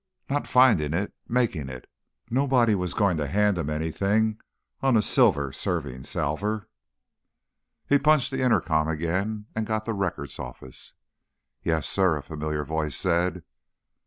Not finding it—making it. Nobody was going to hand him anything on a silver serving salver. He punched the intercom again and got the Records office. "Yes, sir?" a familiar voice said.